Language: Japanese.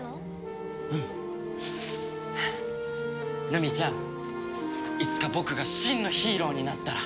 ルミちゃんいつか僕が真のヒーローになったら。